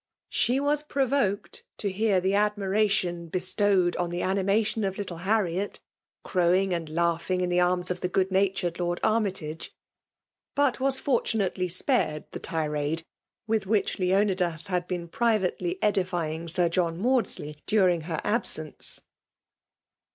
She was provoked to hear thfe ad miration bestowed on the animation of little Harriet, crowing and laughing in the arma o£ the good*natnred Lord Armytage; but was fortunately spared the tirade with which Leonidas had be.en privately edifying Sir John: Mmdsley, during her absence.